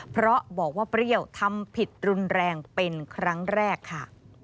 เพราะบอกว่าเปรี้ยวทำผิดรุนแรงเป็นครั้งแรกค่ะ